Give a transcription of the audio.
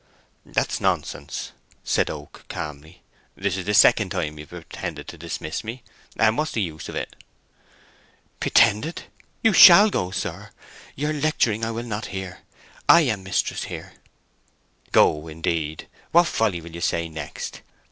"That's nonsense," said Oak, calmly. "This is the second time you have pretended to dismiss me; and what's the use o' it?" "Pretended! You shall go, sir—your lecturing I will not hear! I am mistress here." "Go, indeed—what folly will you say next?